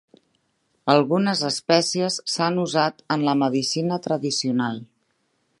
Algunes espècies s'han usat en la medicina tradicional.